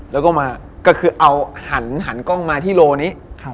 แล้วก็มาก็คือเอาหันกล้องมาที่โลนี้